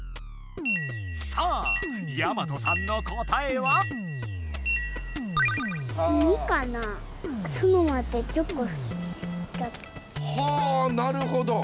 さあやまとさんの答えは？はあなるほど。